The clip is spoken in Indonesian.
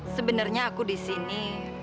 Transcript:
sebenarnya aku di sini